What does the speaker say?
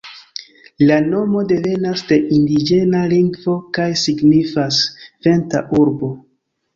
La nomo devenas de indiĝena lingvo kaj signifas ""venta urbo"".